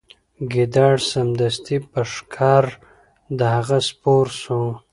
ګیدړ سمدستي پر ښکر د هغه سپور سو